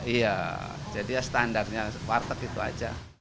iya jadi ya standarnya warteg itu aja